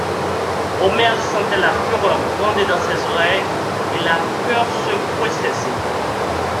Omer sentait la fureur gronder dans ses oreilles, et la peur secouer ses os.